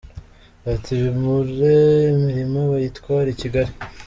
Ati “Bimure imirima bayitware i Kigali ?